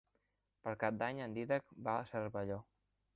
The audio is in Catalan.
Per Cap d'Any en Dídac va a Cervelló.